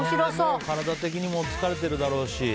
体的にも疲れてるだろうし。